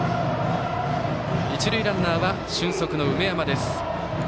一塁ランナーは俊足の梅山です。